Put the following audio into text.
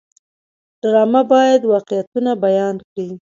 ډرامه باید واقعیتونه بیان کړي